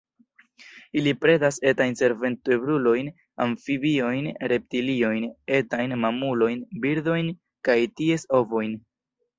Ili predas etajn senvertebrulojn, amfibiojn, reptiliojn, etajn mamulojn, birdojn kaj ties ovojn.